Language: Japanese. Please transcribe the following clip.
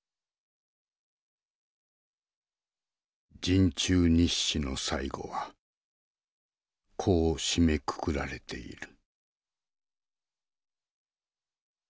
陣中日誌の最後はこう締めくくられている。